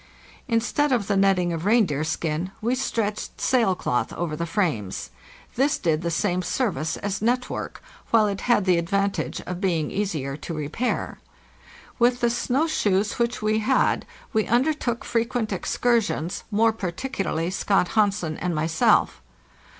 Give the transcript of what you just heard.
Instead of the netting of reindeer skin we stretched sail cloth over the frames. This did the same service as net work, while it had the advantage of being easier to repair. With the snow shoes which we had we undertook frequent excursions, more particularly Scott Hansen and myself.